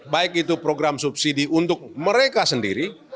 baik itu program subsidi untuk mereka sendiri